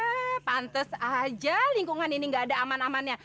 eh pantes aja lingkungan ini gak ada aman amannya